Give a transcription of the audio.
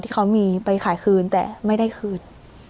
ที่เขามีไปขายคืนแต่ไม่ได้คืน